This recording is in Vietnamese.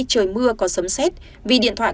trời mưa có sấm xét vì điện thoại